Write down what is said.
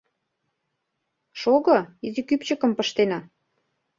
Шого, изи кӱпчыкым пыштена.